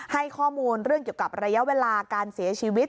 ให้ข้อมูลเรื่องเกี่ยวกับระยะเวลาการเสียชีวิต